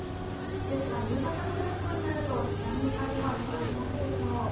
ですが夕方ごろ以降になると、次第に風は弱くなるでしょう。